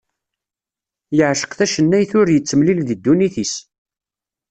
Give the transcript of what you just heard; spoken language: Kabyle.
Yeɛceq tacennayt ur yettemlil deg ddunit-is.